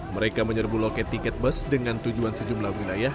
mereka menyerbu loket tiket bus dengan tujuan sejumlah wilayah